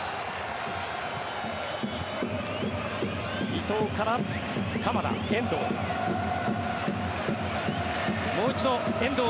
伊東から鎌田、遠藤。